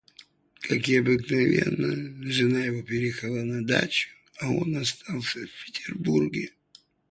Как и обыкновенно, жена его переехала на дачу, а он остался в Петербурге.